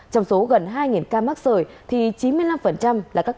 trong số gần hai ca mắc sởi chín mươi năm là các bệnh nhân